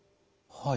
はい。